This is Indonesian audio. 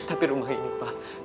tapi rumah ini pak